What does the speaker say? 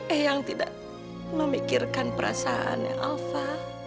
ayang tidak memikirkan perasaannya alva